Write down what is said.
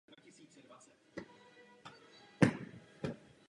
V okolí kaple je zaniklý hřbitov z něhož se zachovaly náhrobky a sošky.